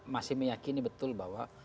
masih meyakini betul bahwa